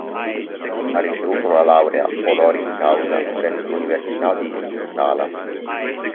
Ha ricevuto una laurea "honoris causa" presso l'Università di Uppsala.